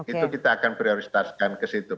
itu kita akan prioritaskan ke situ